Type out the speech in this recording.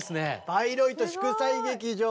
バイロイト祝祭劇場